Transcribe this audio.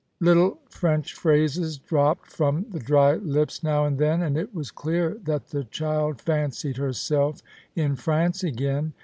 Little French phrases dropped from the dry lips now and then, and it was clear that the child fancied herself in France again.